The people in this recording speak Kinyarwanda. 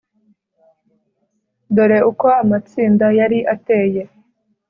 Dore uko amatsinda yari ateye